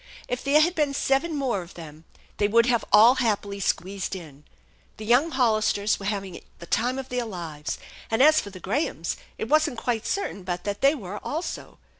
If there had been seven more of them, they would have all happily squeezed in. The young Hollisters were having the time of their lives, and as for the THE ENCHANTED BARN 111 Grahams it wasn't quite certain but that they were also.